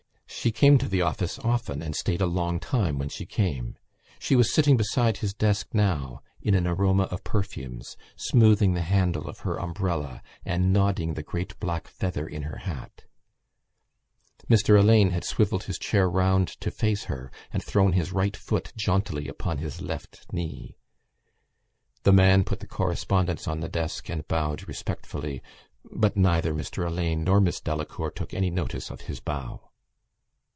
She came to the office often and stayed a long time when she came. She was sitting beside his desk now in an aroma of perfumes, smoothing the handle of her umbrella and nodding the great black feather in her hat. Mr Alleyne had swivelled his chair round to face her and thrown his right foot jauntily upon his left knee. The man put the correspondence on the desk and bowed respectfully but neither Mr Alleyne nor Miss Delacour took any notice of his bow.